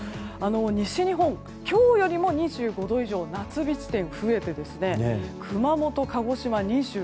西日本、今日よりも２５度以上夏日地点が増えて熊本、鹿児島は２７度。